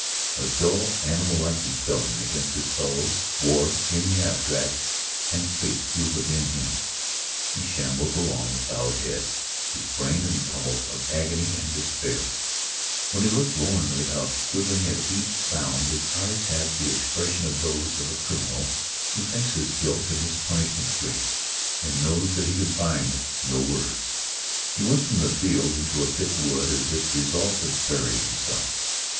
A dull, animal like rebellion against his fellows, war in the abstract, and fate grew within him. He shambled along with bowed head, his brain in a tumult of agony and despair. When he looked loweringly up, quivering at each sound, his eyes had the expression of those of a criminal who thinks his guilt and his punishment great, and knows that he can find no words. He went from the fields into a thick woods, as if resolved to bury himself.